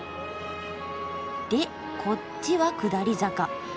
でこっちは下り坂。